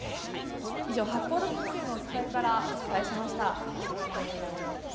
以上、八甲田山系の酸ヶ湯からお伝えしました。